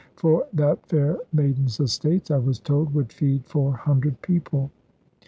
For that fair maiden's estates, I was told, would feed four hundred people.